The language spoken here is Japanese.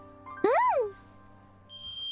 うん！